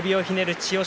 千代翔